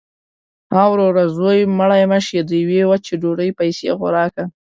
– ها وروره! زوی مړی مه شې. د یوې وچې ډوډۍ پیسې خو راکه.